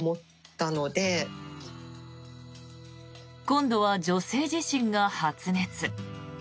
今度は女性自身が発熱。